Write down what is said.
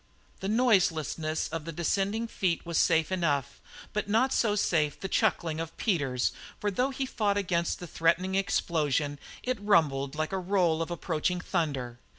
The noiselessness of the descending feet was safe enough, but not so safe was the chuckling of Peters for, though he fought against the threatening explosion, it rumbled like the roll of approaching thunder.